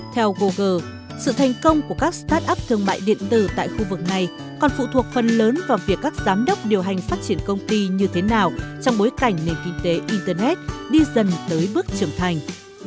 theo google sự thành công của các start up thương mại điện tử tại khu vực này còn phụ thuộc phần lớn vào việc các giám đốc điều hành phát triển công ty như thế nào trong bối cảnh nền kinh tế internet đi dần tới bước trưởng thành